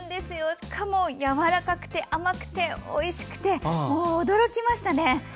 しかもやわらかくて、甘くておいしくて、驚きましたね。